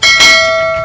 itu sama saja mustahil